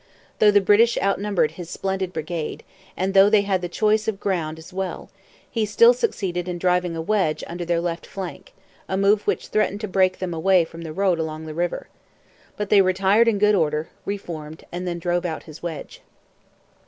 Though the British outnumbered his splendid brigade, and though they had the choice of ground as well, he still succeeded in driving a wedge through their left flank, a move which threatened to break them away from the road along the river. But they retired in good order, re formed, and then drove out his wedge.